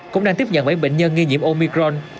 cũng đang tiếp nhận bảy bệnh nhân nghi nhiễm omicron